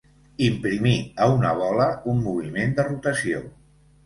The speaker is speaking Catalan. Imprimir a una bola un moviment de rotació.